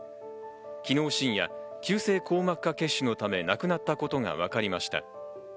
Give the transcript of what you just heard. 昨日深夜、急性硬膜下血腫のため亡くなったことがわかりました。